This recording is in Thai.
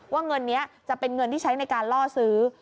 เงินนี้จะเป็นเงินที่ใช้ในการล่อซื้อ